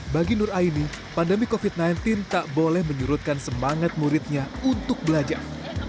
bagi nur aini pandemi covid sembilan belas tak boleh menyurutkan semangat muridnya untuk belajar